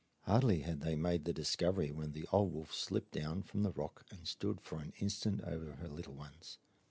Hardly had they made the discovery when the old wolf slipped down from the rock and stood for an instant over her little ones.